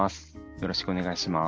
よろしくお願いします。